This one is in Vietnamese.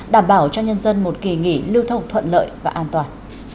đảm bảo cho nhân dân một kỳ nghỉ lưu thông thuận lợi và an toàn